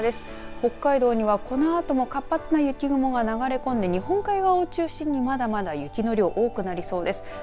北海道にはこのあとも活発な雪雲が流れ込んで日本海側を中心にまだまだ雪の量多くなりそうです。